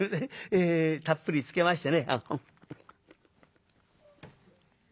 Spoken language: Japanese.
えたっぷりつけましてね」。